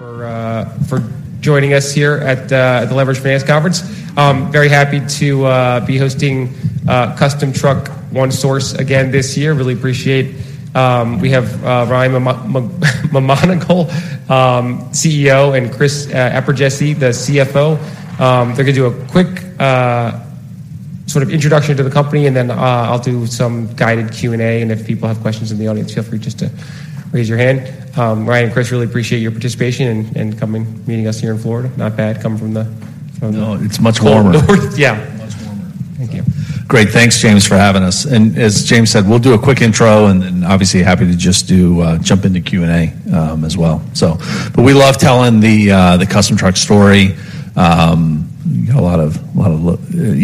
For joining us here at the Leveraged Finance Conference. Very happy to be hosting Custom Truck One Source again this year. Really appreciate... We have Ryan McMonagle, CEO, and Chris Eperjesy, the CFO. They're gonna do a quick sort of introduction to the company, and then I'll do some guided Q&A, and if people have questions in the audience, feel free just to raise your hand. Ryan and Chris, really appreciate your participation and coming, meeting us here in Florida. Not bad, coming from the... No, it's much warmer. North. Yeah. Much warmer. Thank you. Great. Thanks, James, for having us. And as James said, we'll do a quick intro, and then, obviously, happy to just jump into Q&A as well, so. But we love telling the Custom Truck story. You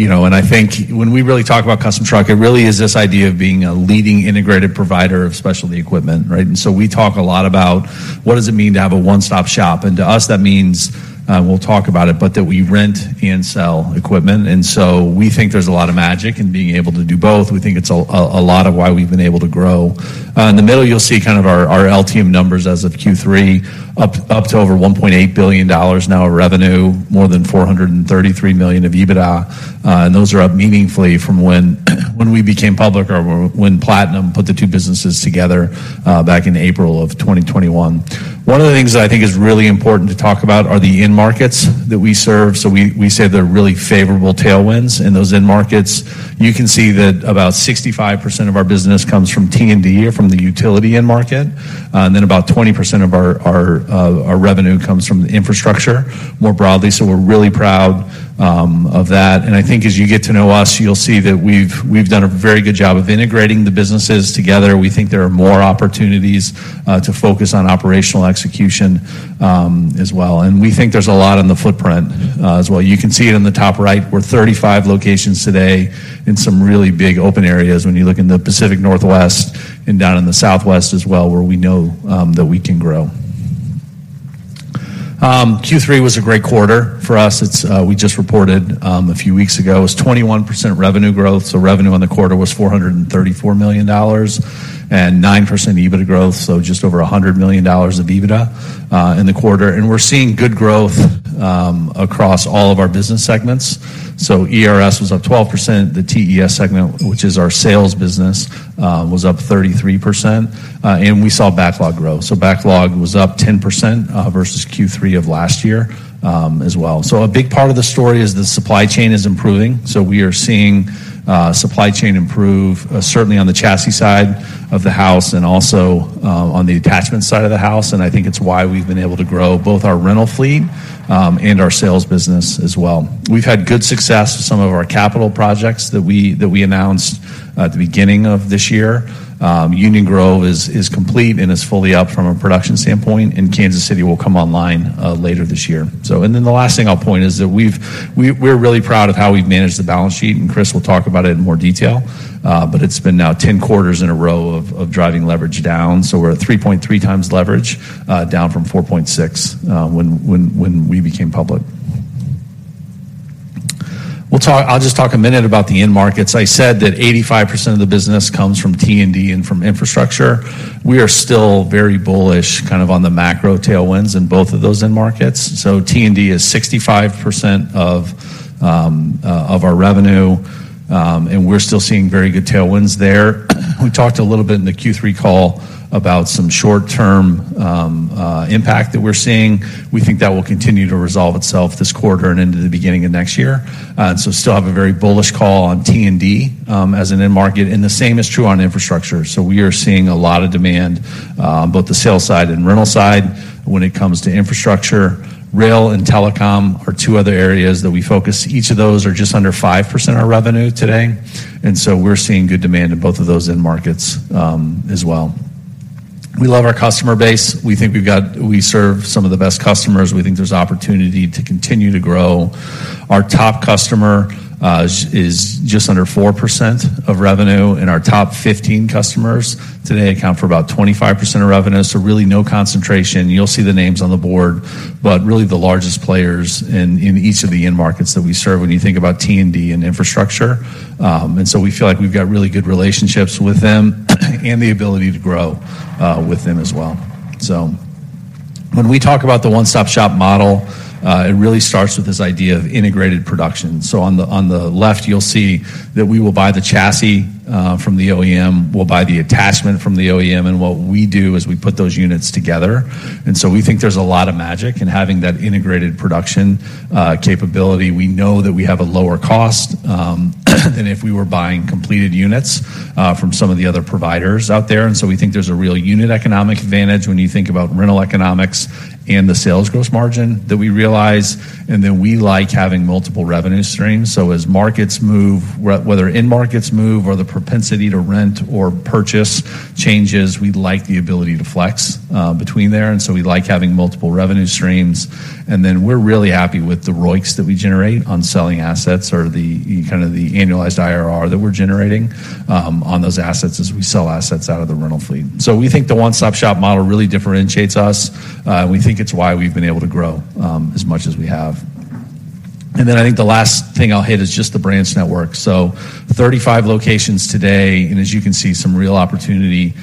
know, and I think when we really talk about Custom Truck, it really is this idea of being a leading integrated provider of specialty equipment, right? And so we talk a lot about what does it mean to have a one-stop-shop, and to us, that means we'll talk about it, but that we rent and sell equipment, and so we think there's a lot of magic in being able to do both. We think it's a lot of why we've been able to grow. In the middle, you'll see kind of our LTM numbers as of Q3, up to over $1.8 billion now of revenue, more than $433 million of EBITDA, and those are up meaningfully from when we became public or when Platinum put the two businesses together, back in April of 2021. One of the things that I think is really important to talk about are the end markets that we serve. So we say they're really favorable tailwinds in those end markets. You can see that about 65% of our business comes from T&D or from the utility end market, and then about 20% of our revenue comes from the infrastructure more broadly. So we're really proud of that. And I think as you get to know us, you'll see that we've, we've done a very good job of integrating the businesses together. We think there are more opportunities to focus on operational execution, as well. And we think there's a lot in the footprint, as well. You can see it in the top right. We're 35 locations today in some really big open areas when you look in the Pacific Northwest and down in the Southwest as well, where we know that we can grow. Q3 was a great quarter for us. It's, we just reported a few weeks ago, it was 21% revenue growth, so revenue on the quarter was $434 million, and 9% EBITDA growth, so just over $100 million of EBITDA in the quarter. We're seeing good growth across all of our business segments. ERS was up 12%. The TES segment, which is our sales business, was up 33%, and we saw backlog grow. Backlog was up 10% versus Q3 of last year, as well. A big part of the story is the supply chain is improving, so we are seeing supply chain improve certainly on the chassis side of the house and also on the attachment side of the house, and I think it's why we've been able to grow both our rental fleet and our sales business as well. We've had good success with some of our capital projects that we announced at the beginning of this year. Union Grove is complete and is fully up from a production standpoint, and Kansas City will come online later this year. So, and then the last thing I'll point is that we're really proud of how we've managed the balance sheet, and Chris will talk about it in more detail, but it's been now 10 quarters in a row of driving leverage down. So we're at 3.3 times leverage, down from 4.6, when we became public. I'll just talk a minute about the end markets. I said that 85% of the business comes from T&D and from infrastructure. We are still very bullish, kind of on the macro tailwinds in both of those end markets. So T&D is 65% of our revenue, and we're still seeing very good tailwinds there. We talked a little bit in the Q3 call about some short-term impact that we're seeing. We think that will continue to resolve itself this quarter and into the beginning of next year. So still have a very bullish call on T&D as an end market, and the same is true on infrastructure. So we are seeing a lot of demand on both the sales side and rental side when it comes to infrastructure. Rail and telecom are two other areas that we focus. Each of those are just under 5% of our revenue today, and so we're seeing good demand in both of those end markets as well. We love our customer base. We serve some of the best customers. We think there's opportunity to continue to grow. Our top customer is just under 4% of revenue, and our top 15 customers today account for about 25% of revenue, so really no concentration. You'll see the names on the board, but really the largest players in each of the end markets that we serve when you think about T&D and infrastructure. And so we feel like we've got really good relationships with them and the ability to grow with them as well. So when we talk about the One-Stop-Shop model, it really starts with this idea of integrated production. So on the left, you'll see that we will buy the chassis from the OEM, we'll buy the attachment from the OEM, and what we do is we put those units together. And so we think there's a lot of magic in having that integrated production capability. We know that we have a lower cost than if we were buying completed units from some of the other providers out there. And so we think there's a real unit economic advantage when you think about rental economics and the sales gross margin that we realize, and then we like having multiple revenue streams. So as markets move, whether end markets move or the propensity to rent or purchase changes, we like the ability to flex between there, and so we like having multiple revenue streams. And then we're really happy with the ROICs that we generate on selling assets or the, kind of the annualized IRR that we're generating on those assets as we sell assets out of the rental fleet. So we think the One-Stop-Shop model really differentiates us, and we think it's why we've been able to grow as much as we have. ... And then I think the last thing I'll hit is just the branch network. So 35 locations today, and as you can see, some real opportunity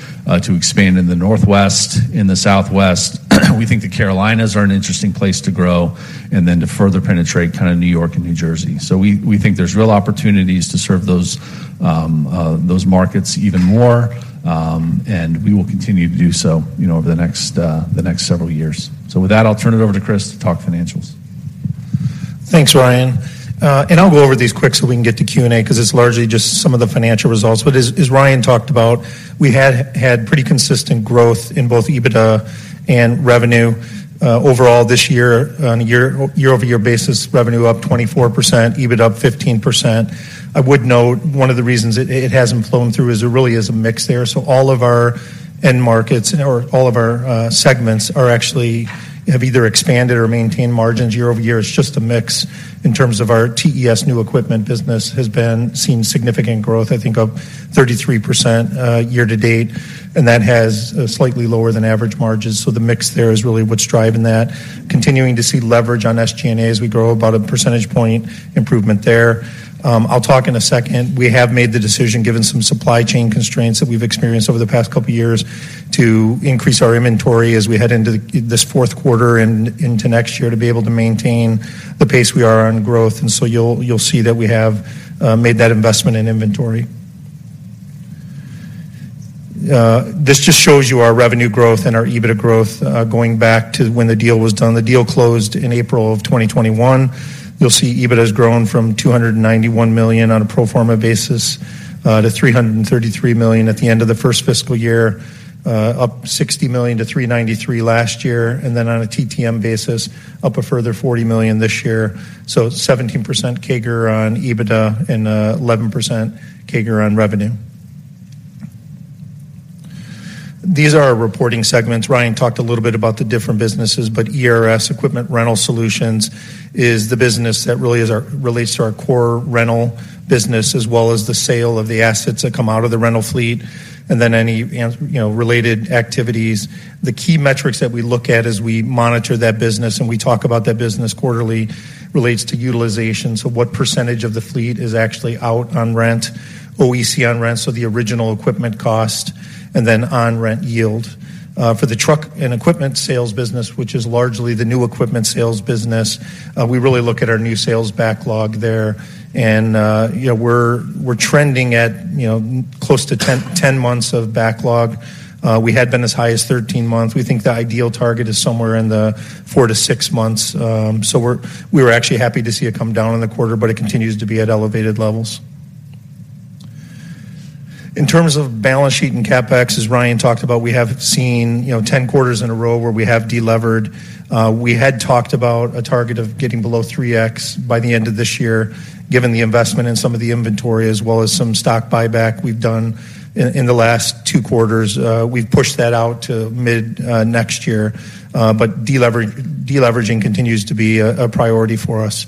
to expand in the Northwest, in the Southwest. We think the Carolinas are an interesting place to grow, and then to further penetrate kind of New York and New Jersey. So we, we think there's real opportunities to serve those, those markets even more, and we will continue to do so, you know, over the next, the next several years. So with that, I'll turn it over to Chris to talk financials. Thanks, Ryan. And I'll go over these quick so we can get to Q&A, 'cause it's largely just some of the financial results. But as Ryan talked about, we had pretty consistent growth in both EBITDA and revenue. Overall, this year, on a year-over-year basis, revenue up 24%, EBITDA up 15%. I would note one of the reasons it hasn't flown through is there really is a mix there. So all of our end markets or all of our segments are actually have either expanded or maintained margins year over year. It's just a mix in terms of our TES new equipment business has been seeing significant growth, I think, up 33%, year to date, and that has slightly lower than average margins. So the mix there is really what's driving that. Continuing to see leverage on SG&A as we grow about a percentage point improvement there. I'll talk in a second. We have made the decision, given some supply chain constraints that we've experienced over the past couple of years, to increase our inventory as we head into the, this fourth quarter and into next year, to be able to maintain the pace we are on growth. And so you'll, you'll see that we have made that investment in inventory. This just shows you our revenue growth and our EBITDA growth, going back to when the deal was done. The deal closed in April of 2021. You'll see EBITDA has grown from $291 million on a pro forma basis to $333 million at the end of the first fiscal year, up $60 million to $393 million last year, and then on a TTM basis, up a further $40 million this year. So 17% CAGR on EBITDA and 11% CAGR on revenue. These are our reporting segments. Ryan talked a little bit about the different businesses, but ERS, Equipment Rental Solutions, is the business that really relates to our core rental business, as well as the sale of the assets that come out of the rental fleet, and then any you know, related activities. The key metrics that we look at as we monitor that business, and we talk about that business quarterly, relates to utilization. So what percentage of the fleet is actually out on rent, OEC on rent, so the original equipment cost, and then on rent yield? For the truck and equipment sales business, which is largely the new equipment sales business, we really look at our new sales backlog there. And, you know, we're, we're trending at, you know, close to 10, 10 months of backlog. We had been as high as 13 months. We think the ideal target is somewhere in the four to six months. So we were actually happy to see it come down in the quarter, but it continues to be at elevated levels. In terms of balance sheet and CapEx, as Ryan talked about, we have seen, you know, 10 quarters in a row where we have delevered. We had talked about a target of getting below 3x by the end of this year, given the investment in some of the inventory, as well as some stock buyback we've done in the last two quarters. We've pushed that out to mid next year. But deleveraging continues to be a priority for us.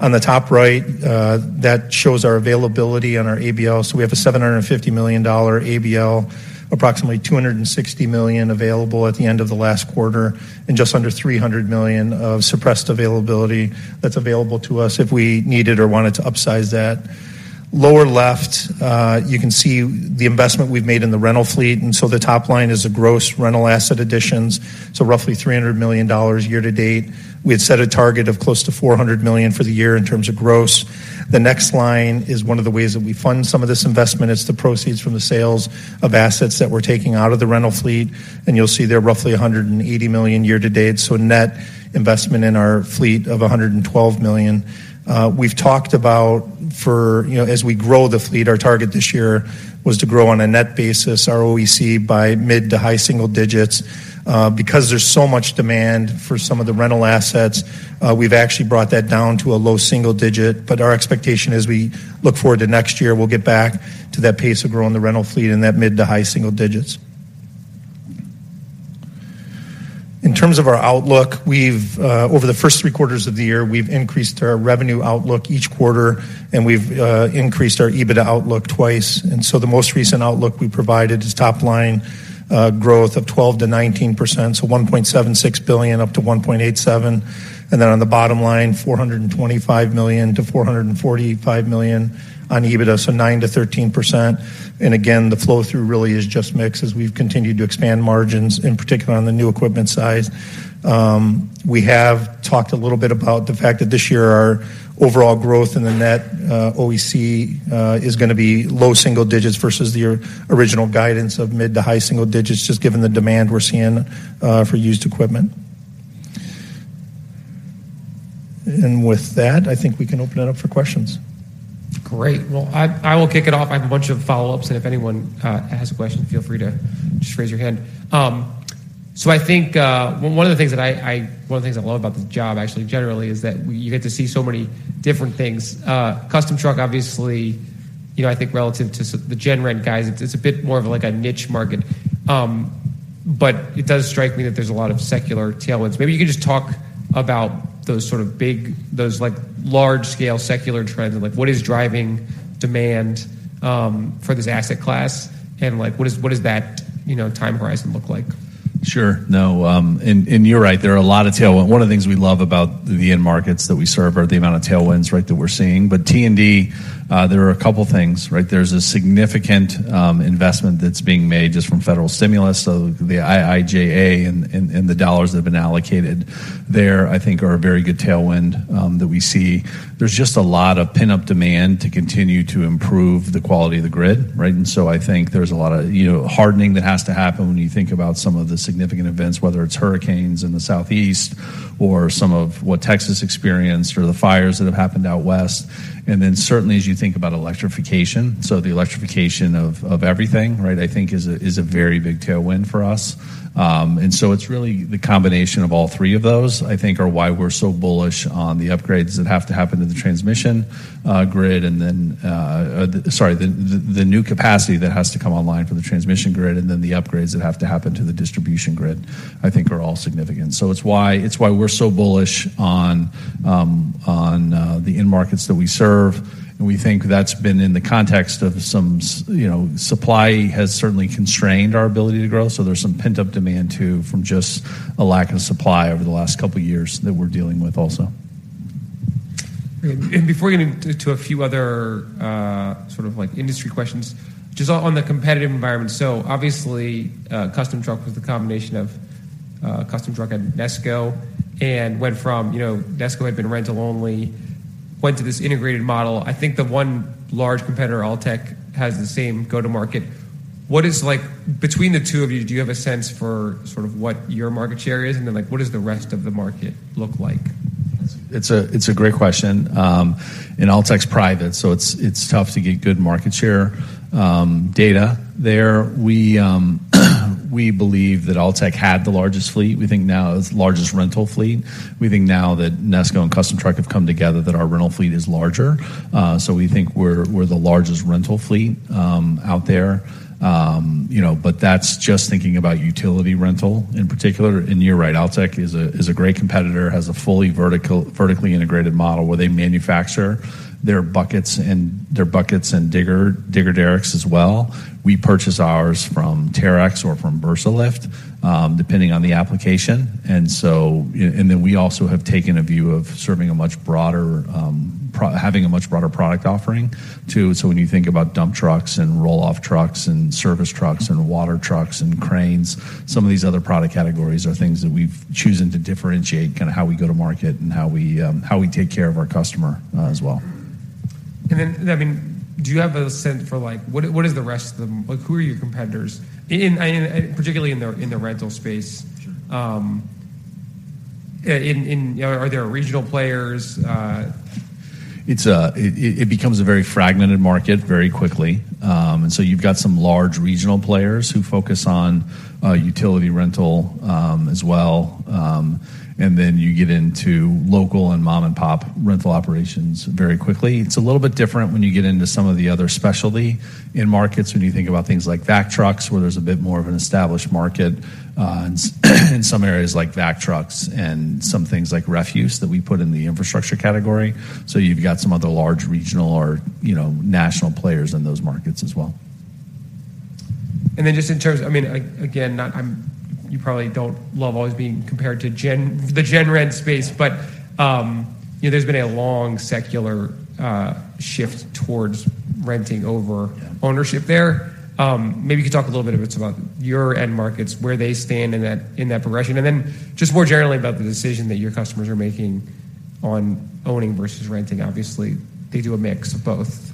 On the top right, that shows our availability on our ABL. So we have a $750 million ABL, approximately $260 million available at the end of the last quarter, and just under $300 million of suppressed availability that's available to us if we needed or wanted to upsize that. Lower left, you can see the investment we've made in the rental fleet, and so the top line is the gross rental asset additions, so roughly $300 million year to date. We had set a target of close to $400 million for the year in terms of gross. The next line is one of the ways that we fund some of this investment, is the proceeds from the sales of assets that we're taking out of the rental fleet, and you'll see they're roughly $180 million year to date. So net investment in our fleet of $112 million. We've talked about. You know, as we grow the fleet, our target this year was to grow on a net basis, our OEC, by mid- to high-single digits. Because there's so much demand for some of the rental assets, we've actually brought that down to a low single digit. But our expectation as we look forward to next year, we'll get back to that pace of growing the rental fleet in that mid to high single digits. In terms of our outlook, we've over the first three quarters of the year, we've increased our revenue outlook each quarter, and we've increased our EBITDA outlook twice. And so the most recent outlook we provided is top-line growth of 12%-19%, so $1.76 billion up to $1.87 billion. And then on the bottom line, $425 million-$445 million on EBITDA, so 9%-13%. And again, the flow-through really is just mix as we've continued to expand margins, in particular on the new equipment side. We have talked a little bit about the fact that this year, our overall growth in the net, OEC, is gonna be low single digits versus the original guidance of mid to high single digits, just given the demand we're seeing for used equipment. And with that, I think we can open it up for questions. Great. Well, I will kick it off. I have a bunch of follow-ups, and if anyone has a question, feel free to just raise your hand. So I think, well, one of the things I love about this job, actually, generally, is that you get to see so many different things. Custom Truck, obviously, you know, I think relative to the gen rent guys, it's a bit more of, like, a niche market. So-... but it does strike me that there's a lot of secular tailwinds. Maybe you could just talk about those sort of big, those, like, large-scale secular trends, and, like, what is driving demand for this asset class? And, like, what does, what does that, you know, time horizon look like? Sure. No, you're right. There are a lot of tailwind. One of the things we love about the end markets that we serve are the amount of tailwinds, right, that we're seeing. But T&D, there are a couple things, right? There's a significant investment that's being made just from Federal Stimulus. So the IIJA and the dollars that have been allocated there, I think are a very good tailwind, that we see. There's just a lot of pent-up demand to continue to improve the quality of the grid, right? And so I think there's a lot of, you know, hardening that has to happen when you think about some of the significant events, whether it's hurricanes in the southeast or some of what Texas experienced or the fires that have happened out west. And then, certainly, as you think about electrification, so the electrification of everything, right, I think is a very big tailwind for us. And so it's really the combination of all three of those, I think, are why we're so bullish on the upgrades that have to happen to the transmission grid, and then... Sorry, the new capacity that has to come online for the transmission grid, and then the upgrades that have to happen to the distribution grid, I think are all significant. So it's why, it's why we're so bullish on the end markets that we serve. We think that's been in the context of, you know, supply has certainly constrained our ability to grow, so there's some pent-up demand, too, from just a lack of supply over the last couple of years that we're dealing with also. Before we get into a few other sort of like industry questions, just on the competitive environment. So obviously, Custom Truck was the combination of Custom Truck and NESCO, and went from, you know, NESCO had been rental-only, went to this integrated model. I think the one large competitor, Altec, has the same go-to-market. What is like between the two of you, do you have a sense for sort of what your market share is? And then, like, what does the rest of the market look like? It's a great question. Altec's private, so it's tough to get good market share data there. We believe that Altec had the largest fleet. We think now it's the largest rental fleet. We think now that NESCO and Custom Truck have come together, that our rental fleet is larger. So we think we're the largest rental fleet out there. You know, but that's just thinking about utility rental, in particular. You're right, Altec is a great competitor, has a fully vertically integrated model, where they manufacture their buckets and digger derricks as well. We purchase ours from Terex or from Versalift, depending on the application. And so, and then we also have taken a view of serving a much broader, having a much broader product offering, too. So when you think about dump trucks and roll-off trucks and service trucks and water trucks and cranes, some of these other product categories are things that we've chosen to differentiate, kinda how we go to market and how we take care of our customer, as well. I mean, do you have a sense for, like, what, what is the rest of the—like, who are your competitors in, and, and particularly in the, in the rental space? Sure. Are there regional players? It becomes a very fragmented market very quickly. And so you've got some large regional players who focus on utility rental as well. And then you get into local and mom-and-pop rental operations very quickly. It's a little bit different when you get into some of the other specialty end markets, when you think about things like vac trucks, where there's a bit more of an established market in some areas like vac trucks and some things like refuse that we put in the infrastructure category. So you've got some other large regional or, you know, national players in those markets as well. And then, just in terms, I mean, again, not you probably don't love always being compared to the gen rent space, but, you know, there's been a long secular shift towards renting over- Yeah - ownership there. Maybe you could talk a little bit about your end markets, where they stand in that, in that progression, and then just more generally about the decision that your customers are making on owning versus renting. Obviously, they do a mix of both?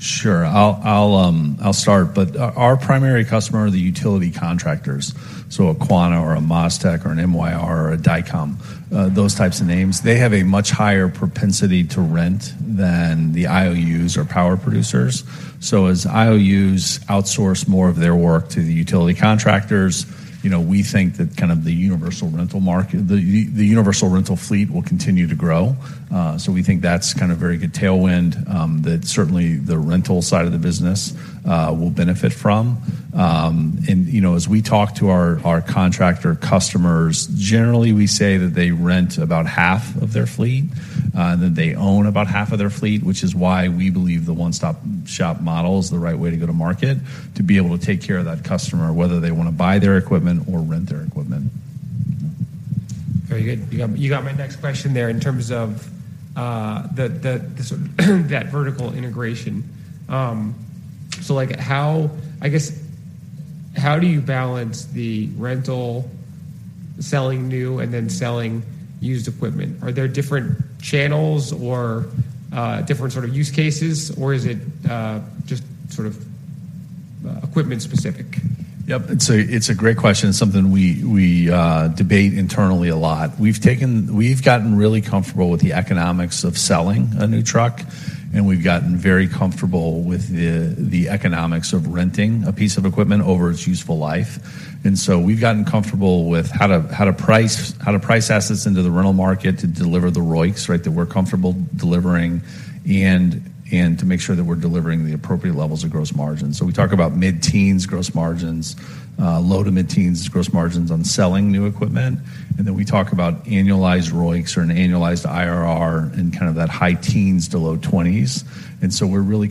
Sure. I'll start, but our primary customer are the Utility Contractors, so a Quanta or a MasTec or an MYR or a Dycom, those types of names. They have a much higher propensity to rent than the IOUs or power producers. So as IOUs outsource more of their work to the Utility Contractors, you know, we think that kind of the universal rental market, the universal rental fleet will continue to grow. So we think that's kind of very good tailwind, that certainly the rental side of the business will benefit from. You know, as we talk to our contractor customers, generally, we say that they rent about half of their fleet, that they own about half of their fleet, which is why we believe the One-Stop-Shop model is the right way to go to market, to be able to take care of that customer, whether they wanna buy their equipment or rent their equipment. Very good. You got my next question there in terms of the sort of that vertical integration. So, like, how... I guess, how do you balance the rental, selling new, and then selling used equipment? Are there different channels or different sort of use cases, or is it just sort of equipment specific? Yep. It's a, it's a great question, and something we, we, debate internally a lot. We've gotten really comfortable with the economics of selling a new truck, and we've gotten very comfortable with the, the economics of renting a piece of equipment over its useful life. And so we've gotten comfortable with how to, how to price, how to price assets into the rental market to deliver the ROICs, right, that we're comfortable delivering, and to make sure that we're delivering the appropriate levels of gross margin. So we talk about mid-teens gross margins, low to mid-teens gross margins on selling new equipment, and then we talk about annualized ROICs or an annualized IRR in kind of that high teens to low twenties. And so we're really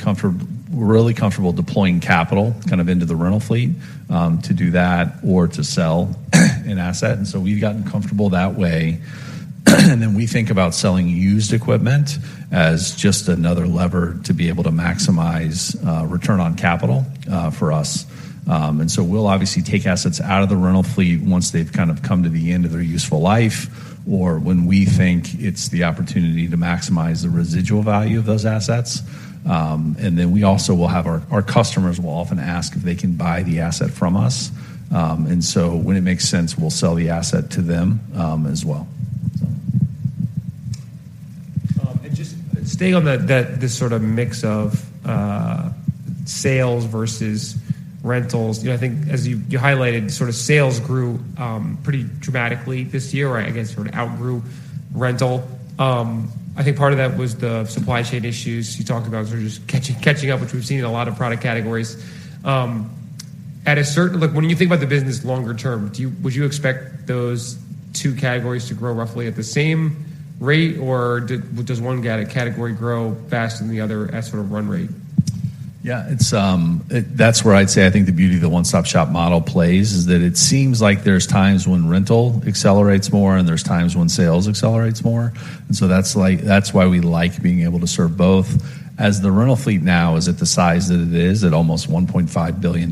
comfortable deploying capital kind of into the rental fleet to do that or to sell an asset. And so we've gotten comfortable that way. And then we think about selling used equipment as just another lever to be able to maximize return on capital for us. And so we'll obviously take assets out of the rental fleet once they've kind of come to the end of their useful life, or when we think it's the opportunity to maximize the residual value of those assets. And then we also will have our customers will often ask if they can buy the asset from us. And so when it makes sense, we'll sell the asset to them as well, so. And just staying on that, this sort of mix of sales versus rentals. You know, I think as you highlighted, sort of sales grew pretty dramatically this year, I guess, sort of outgrew rental. I think part of that was the supply chain issues you talked about, sort of just catching up, which we've seen in a lot of product categories. Look, when you think about the business longer term, would you expect those two categories to grow roughly at the same rate, or does one category grow faster than the other at sort of run rate? Yeah, it's, that's where I'd say I think the beauty of the one-stop shop model plays, is that it seems like there's times when rental accelerates more, and there's times when sales accelerates more. And so that's like, that's why we like being able to serve both. As the rental fleet now is at the size that it is, at almost $1.5 billion,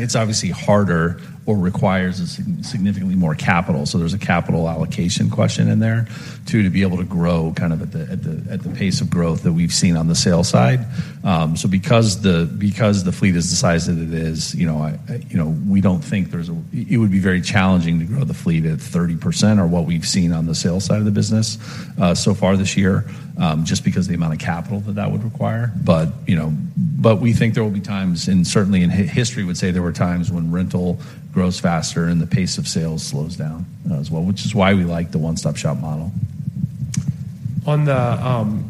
it's obviously harder or requires significantly more capital. So there's a capital allocation question in there, too, to be able to grow kind of at the pace of growth that we've seen on the sales side. So because the fleet is the size that it is, you know, you know, we don't think there's a... It would be very challenging to grow the fleet at 30% or what we've seen on the sales side of the business, so far this year, just because of the amount of capital that that would require. But, you know, but we think there will be times, and certainly in history would say there were times when rental grows faster and the pace of sales slows down, as well, which is why we like the one-stop shop model. On the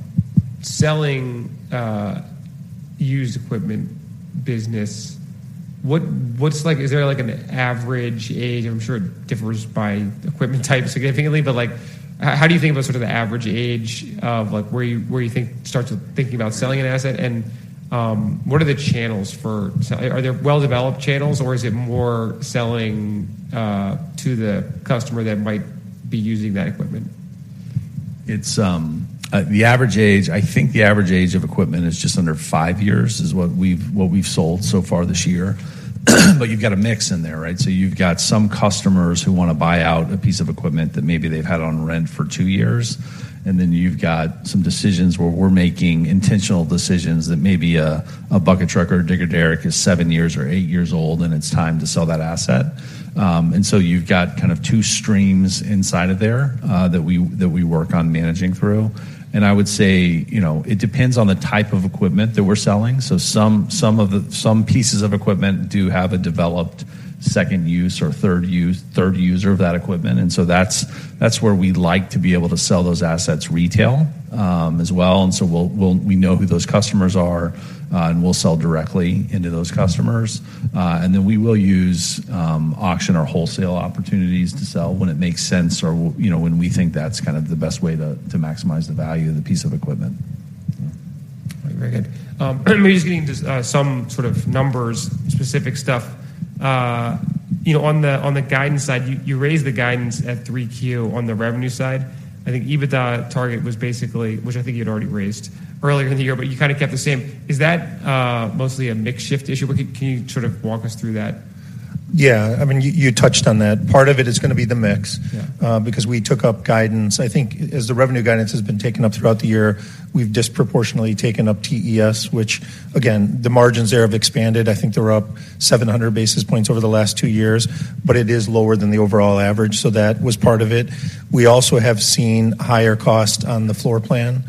selling used equipment business, what's like—is there, like, an average age? I'm sure it differs by equipment type significantly, but like, how do you think about sort of the average age of, like, where you think start to thinking about selling an asset? And what are the channels for selling? Are there well-developed channels, or is it more selling to the customer that might be using that equipment? It's the average age, I think the average age of equipment is just under 5 years, is what we've sold so far this year. But you've got a mix in there, right? So you've got some customers who want to buy out a piece of equipment that maybe they've had on rent for two years. And then you've got some decisions where we're making intentional decisions that maybe a bucket truck or a digger derrick is 7 years or 8 years old, and it's time to sell that asset. And so you've got kind of two streams inside of there, that we work on managing through. And I would say, you know, it depends on the type of equipment that we're selling. So some of the pieces of equipment do have a developed second use or third use, third user of that equipment. And so that's where we'd like to be able to sell those assets retail, as well. And so we'll, we know who those customers are, and we'll sell directly into those customers. And then we will use auction or wholesale opportunities to sell when it makes sense, or you know, when we think that's kind of the best way to maximize the value of the piece of equipment. Mm-hmm. Very good. We're just getting into some sort of numbers, specific stuff. You know, on the guidance side, you raised the guidance at 3Q on the revenue side. I think EBITDA target was basically, which I think you'd already raised earlier in the year, but you kind of kept the same. Is that mostly a mix shift issue? Can you sort of walk us through that? Yeah, I mean, you touched on that. Part of it is gonna be the mix- Yeah... because we took up guidance. I think as the revenue guidance has been taken up throughout the year, we've disproportionately taken up TES, which again, the margins there have expanded. I think they're up 700 basis points over the last two years, but it is lower than the overall average, so that was part of it. We also have seen higher cost on the floor plan.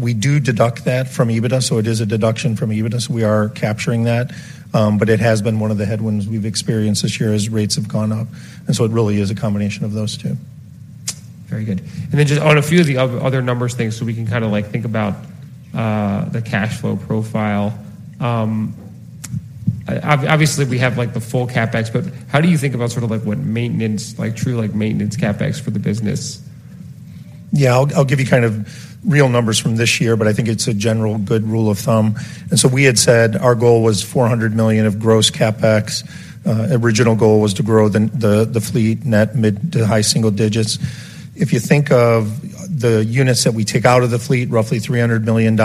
We do deduct that from EBITDA, so it is a deduction from EBITDA. So we are capturing that, but it has been one of the headwinds we've experienced this year as rates have gone up, and so it really is a combination of those two. Very good. And then just on a few of the other numbers things, so we can kind of like, think about, the cash flow profile. Obviously, we have, like, the full CapEx, but how do you think about sort of like what maintenance, like, true, like, maintenance CapEx for the business? Yeah, I'll give you kind of real numbers from this year, but I think it's a general good rule of thumb. And so we had said our goal was $400 million of gross CapEx. Original goal was to grow the the fleet net mid to high single digits. If you think of the units that we take out of the fleet, roughly $300 million,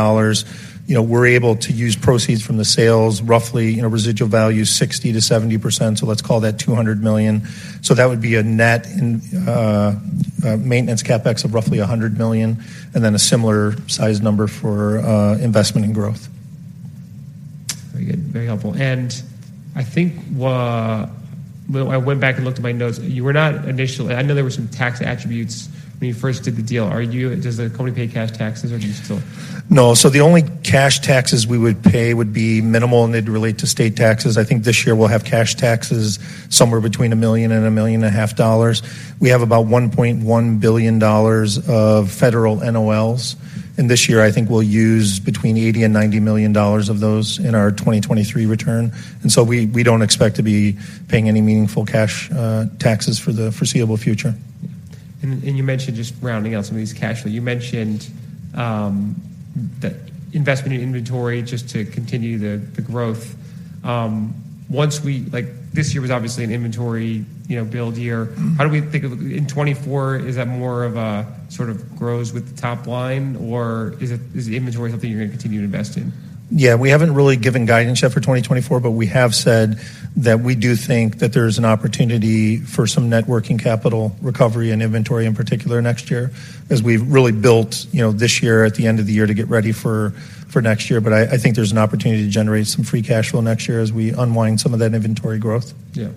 you know, we're able to use proceeds from the sales, roughly, you know, residual value, 60%-70%, so let's call that $200 million. So that would be a net maintenance CapEx of roughly $100 million, and then a similar size number for investment and growth. Very good. Very helpful. And I think, well, I went back and looked at my notes. You were not initially- I know there were some tax attributes when you first did the deal. Are you- does the company pay cash taxes, or do you still? No. So the only cash taxes we would pay would be minimal, and they'd relate to state taxes. I think this year we'll have cash taxes somewhere between $1 million and $1.5 million. We have about $1.1 billion of federal NOLs, and this year I think we'll use between $80 million and $90 million of those in our 2023 return, and so we, we don't expect to be paying any meaningful cash taxes for the foreseeable future. ... And you mentioned just rounding out some of these cash flow. You mentioned that investment in inventory just to continue the growth. Once we—like, this year was obviously an inventory, you know, build year. Mm-hmm. How do we think of, in 2024, is that more of a sort of grows with the top line, or is it, is the inventory something you're gonna continue to invest in? Yeah, we haven't really given guidance yet for 2024, but we have said that we do think that there's an opportunity for some working capital recovery and inventory, in particular, next year, as we've really built, you know, this year at the end of the year to get ready for next year. But I think there's an opportunity to generate some free cash flow next year as we unwind some of that inventory growth. Yeah.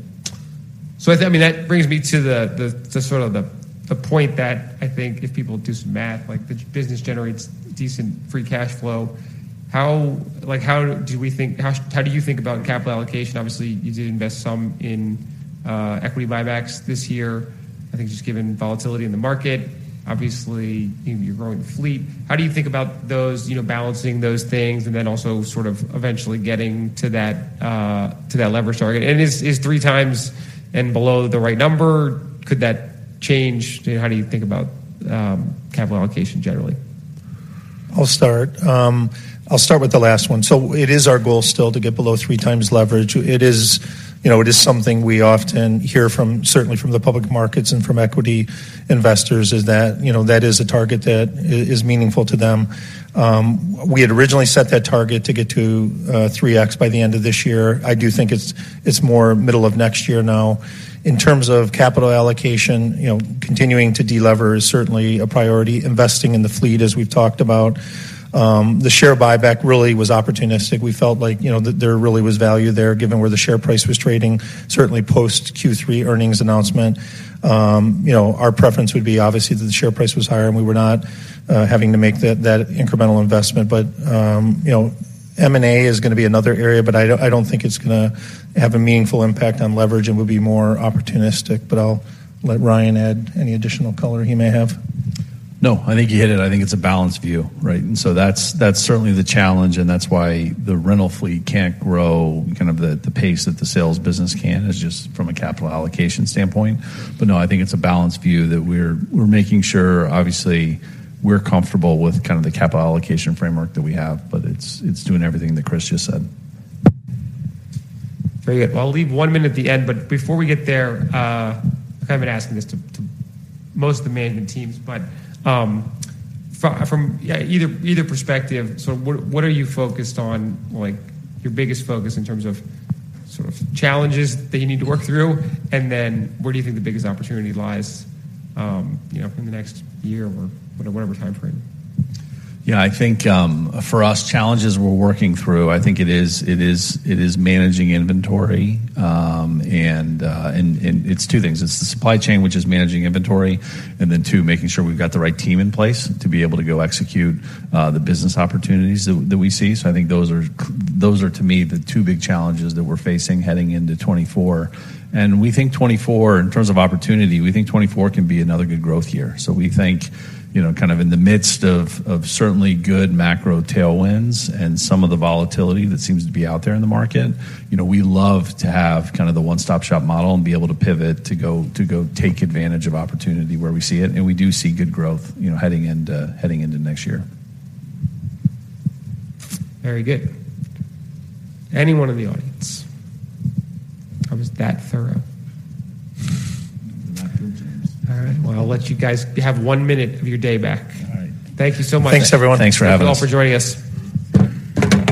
So I think, I mean, that brings me to the point that I think if people do some math, like, the business generates decent free cash flow. How do you think about capital allocation? Obviously, you did invest some in equity buybacks this year. I think just given volatility in the market, obviously, you're growing the fleet. How do you think about those, you know, balancing those things, and then also sort of eventually getting to that leverage target? And is three times and below the right number? Could that change? How do you think about capital allocation generally? I'll start. I'll start with the last one. So it is our goal still to get below 3x leverage. It is, you know, it is something we often hear from, certainly from the public markets and from equity investors, is that, you know, that is a target that is meaningful to them. We had originally set that target to get to 3x by the end of this year. I do think it's more middle of next year now. In terms of capital allocation, you know, continuing to delever is certainly a priority. Investing in the fleet, as we've talked about. The share buyback really was opportunistic. We felt like, you know, there really was value there, given where the share price was trading, certainly post Q3 earnings announcement. You know, our preference would be, obviously, that the share price was higher, and we were not having to make that incremental investment. But, you know, M&A is gonna be another area, but I don't think it's gonna have a meaningful impact on leverage. It would be more opportunistic, but I'll let Ryan add any additional color he may have. No, I think you hit it. I think it's a balanced view, right? And so that's certainly the challenge, and that's why the rental fleet can't grow kind of the pace that the sales business can, is just from a capital allocation standpoint. But no, I think it's a balanced view that we're making sure... Obviously, we're comfortable with kind of the capital allocation framework that we have, but it's doing everything that Chris just said. Very good. Well, I'll leave one minute at the end, but before we get there, I've been asking this to most of the management teams, but from either perspective, so what are you focused on? Like, your biggest focus in terms of sort of challenges that you need to work through, and then where do you think the biggest opportunity lies, you know, in the next year or whatever time frame? Yeah, I think, for us, challenges we're working through, I think it is managing inventory. And it's two things. It's the supply chain, which is managing inventory, and then, two, making sure we've got the right team in place to be able to go execute the business opportunities that we see. So I think those are, to me, the two big challenges that we're facing heading into 2024. And we think 2024, in terms of opportunity, we think 2024 can be another good growth year. We think, you know, kind of in the midst of certainly good macro tailwinds and some of the volatility that seems to be out there in the market, you know, we love to have kind of the One-Stop-Shop model and be able to pivot, to go take advantage of opportunity where we see it, and we do see good growth, you know, heading into next year. Very good. Anyone in the audience? I was that thorough. You're that good, James. All right, well, I'll let you guys have one minute of your day back. All right. Thank you so much. Thanks, everyone. Thanks for having us. Thank you all for joining us.